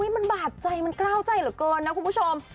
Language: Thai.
มันบาดใจมันกล้าวใจเหลือเกินนะคุณผู้ชม